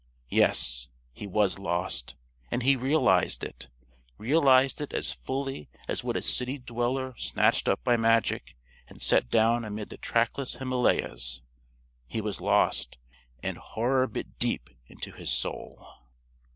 Yes, he was lost. And he realized it realized it as fully as would a city dweller snatched up by magic and set down amid the trackless Himalayas. He was lost. And Horror bit deep into his soul.